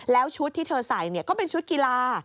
แล้วชุดที่เธอใส่ก็เป็นชุดกีฬา